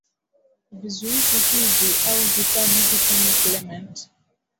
vizuizi hivi au vifaa hivi kama clement